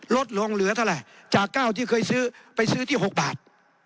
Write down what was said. ลดลงเหลือเท่าไหร่จาก๙ที่เคยซื้อไปซื้อที่๖บาท